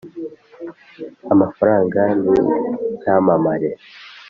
amafaranga n'icyamamare